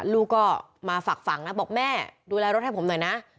ลูกก็มาฝากฝังนะบอกแม่ดูแลรถให้ผมหน่อยนะ